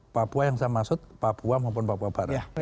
papua yang saya maksud papua maupun papua barat